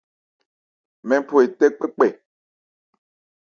Mɛ́n phɔ etɛ́ kpɛ́kpɛ.